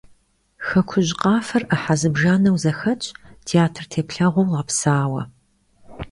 «Хэкужь къафэр» Ӏыхьэ зыбжанэу зэхэтщ, театр теплъэгъуэу гъэпсауэ.